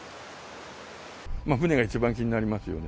船が一番気になりますよね。